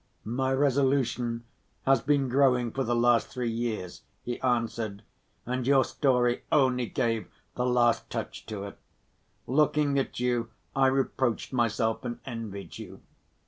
"My resolution has been growing for the last three years," he answered, "and your story only gave the last touch to it. Looking at you, I reproached myself and envied you."